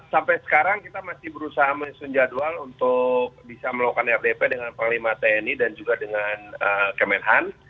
sampai sekarang kita masih berusaha menyusun jadwal untuk bisa melakukan rdp dengan panglima tni dan juga dengan kemenhan